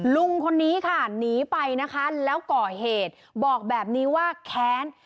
ลุงคนนี้ค่ะหนีไปนะคะแล้วก่อเหตุบอกแบบนี้ว่าแค้น